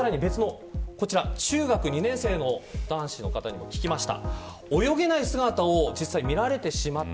中学２年生の男子の方にも聞きました。